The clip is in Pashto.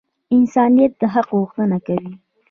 انسانیت د حق غوښتنه کوي.